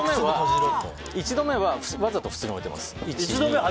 １度目はわざと普通に置いてます。